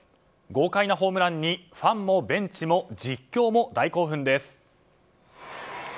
豪快なホームランにファンもベンチも実況も大興奮です！